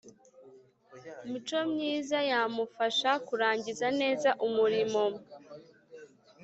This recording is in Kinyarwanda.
mico myiza yamufasha kurangiza neza umurimo